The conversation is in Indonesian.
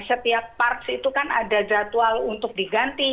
setiap parts itu kan ada jadwal untuk diganti